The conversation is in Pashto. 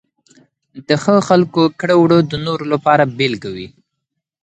د ښه خلکو کړه وړه د نورو لپاره بېلګه وي.